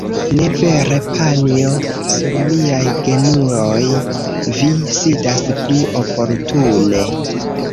Ne vere panjo? Sur miaj genuoj vi sidas pli oportune.